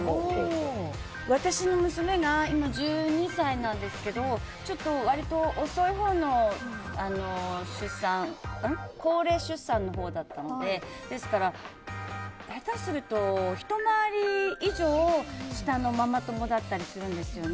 私の娘が今１２歳なんですけど割と遅いほうの出産高齢出産のほうだったのでですから、下手するとひと回り以上下のママ友だったりするんですよね。